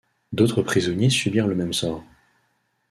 D'autres prisonniers subirent le même sort.